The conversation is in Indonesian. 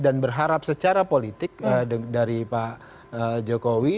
dan berharap secara politik dari pak jokowi